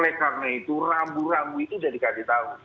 oleh karena itu rambu rambu itu sudah dikasih tahu